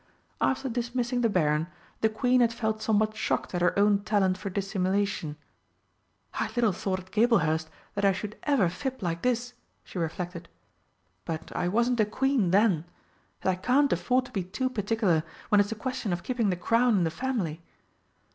After dismissing the Baron, the Queen had felt somewhat shocked at her own talent for dissimulation. "I little thought at Gablehurst that I should ever fib like this!" she reflected. "But I wasn't a Queen then! And I can't afford to be too particular, when it's a question of keeping the Crown in the family!"